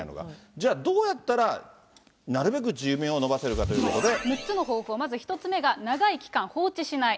じゃあ、どうやったらなるべく寿命を延ばせるかというこ６つの方法、まず１つ目が長い期間放置しない。